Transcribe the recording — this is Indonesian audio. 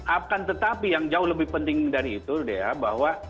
akan tetapi yang jauh lebih penting dari itu dea bahwa